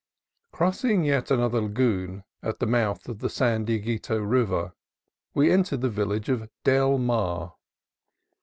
Crossing yet another lagoon at the mouth of the San Dieguito River, we entered the village of Del Mar.